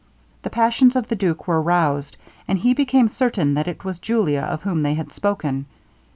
The passions of the duke were roused, and he became certain that it was Julia of whom they had spoken.